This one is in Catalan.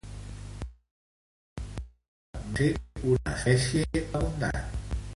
Pel que sembla, mai no va ser una espècie abundant.